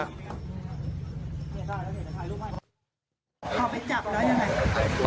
พอไปจับแล้วยังไง